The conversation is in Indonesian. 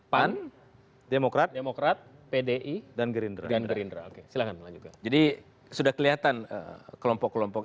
pan demokrat demokrat pdi dan gerindra dan gerindra oke silahkan lanjutkan jadi sudah kelihatan kelompok kelompok